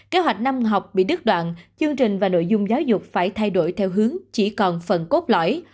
kế hoạch năm học bị đứt đoạn chương trình và nội dung giáo dục phải thay đổi theo hướng chỉ còn phần cốt lõi